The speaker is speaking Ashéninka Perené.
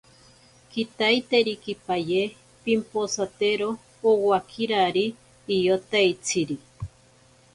Kitaiterikipaye pimposaktero owakirari iyotaitsiri.